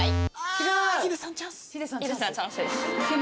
ヒデさんチャンス。